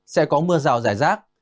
sẽ có mưa rào rải rác